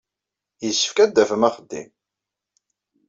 Yessefk ad d-tafem axeddim.